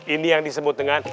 ini yang disebut dengan